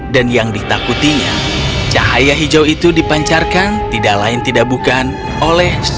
dan yang ditakutinya cahaya hijau itu dipancarkan tidak lain tidak bukan oleh sito